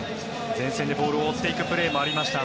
前線でボールを追っていくプレーもありました。